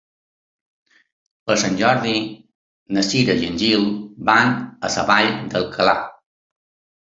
Per Sant Jordi na Cira i en Gil van a la Vall d'Alcalà.